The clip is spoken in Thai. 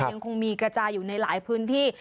ยังคงมีกระจายอยู่ในหลายพื้นที่